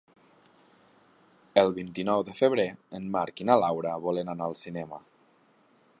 El vint-i-nou de febrer en Marc i na Laura volen anar al cinema.